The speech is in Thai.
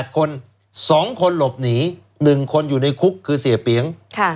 ๘คน๒คนหลบหนี๑คนอยู่ในคุกคือเสียเปียง